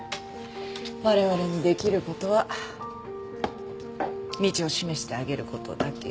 我々にできることは道を示してあげることだけよ。